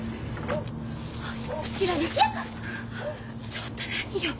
ちょっと何よ